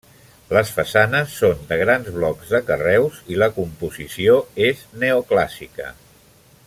Les façanes són de grans blocs de carreus i la composició és neoclàssica.